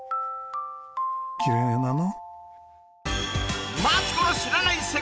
「きれいなの」